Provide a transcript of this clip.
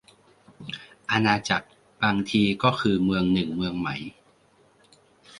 อาณาจักร บางทีก็คือเมืองหนึ่งเมืองไหม